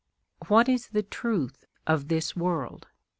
What is the truth of this world?